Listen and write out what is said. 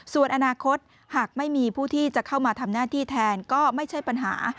ส่วนอนาคตหากไม่มีผู้ที่จะเข้ามาทำหน้าที่แทนก็ไม่ใช่ปัญหา